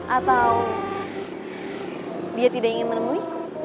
atau dia tidak ingin menemui